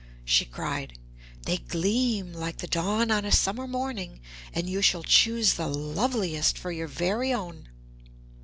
she cried. "They gleam like the dawn on a summer morning, and you shall choose the loveliest for your very own."